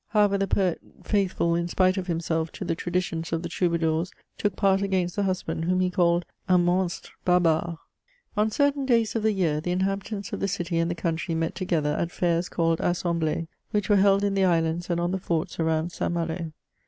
However, the poet, faithful, in spite of himself, to the traditions of the trou badours, took part against the husband, whom he called "tm monstre barbare" On certain days of the year, the inhabitants of the city and the country met together at fairs called Assemblies which were held in the islands and on the forts around St. Malo.